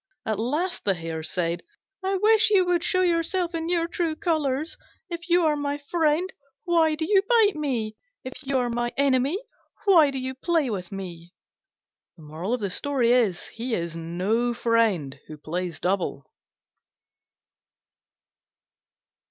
At last the Hare said, "I wish you would show yourself in your true colours! If you are my friend, why do you bite me? If you are my enemy, why do you play with me?" He is no friend who plays double.